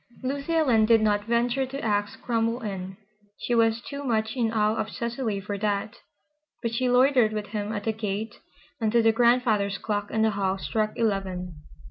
Lucy Ellen did not venture to ask Cromwell in. She was too much in awe of Cecily for that. But she loitered with him at the gate until the grandfather's clock in the hall struck eleven.